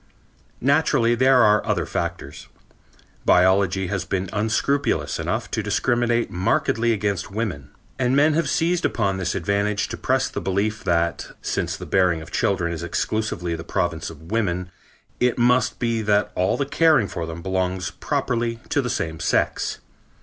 Naturally there are other factors. Biology has been unscrupulous enough to discriminate markedly against women, and men have seized upon this advantage to press the belief that, since the bearing of children is exclusively the province of women, it must be that all the caring for them belongs properly to the same sex.